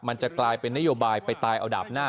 มันจะกลายเป็นนโยบายไปตายเอาดาบหน้า